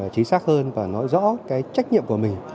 chí sắc hơn và nói rõ cái trách nhiệm của mình